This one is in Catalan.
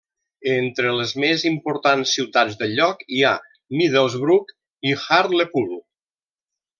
Entre les més importants ciutats del lloc hi ha Middlesbrough i Hartlepool.